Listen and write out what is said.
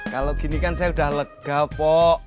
kalau gini kan saya udah lega pok